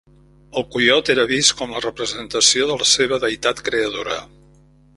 El coiot era vist com la representació de la seva deïtat creadora.